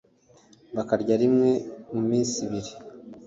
bakarya rimwe mu minsi ibiri